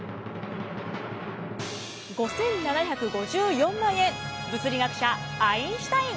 ５，７５４万円物理学者アインシュタイン。